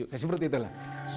kayak seperti itulah